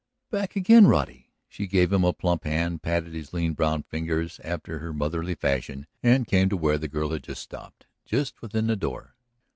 "Back again, Roddy?" She gave him a plump hand, patted his lean brown fingers after her motherly fashion, and came to where the girl had stopped just within the door.